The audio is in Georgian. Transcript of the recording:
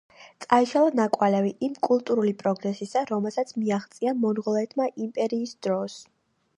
წაიშალა ნაკვალევი იმ კულტურული პროგრესისა რომელსაც მიაღწია მონღოლეთმა იმპერიის დროს.